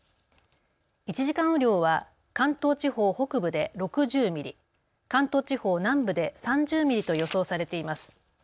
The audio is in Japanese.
１時間雨量は関東地方北部で６０ミリ、関東地方南部で３０ミリと予想されています。